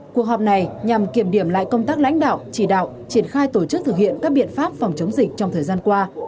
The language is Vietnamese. cuộc họp này nhằm kiểm điểm lại công tác lãnh đạo chỉ đạo triển khai tổ chức thực hiện các biện pháp phòng chống dịch trong thời gian qua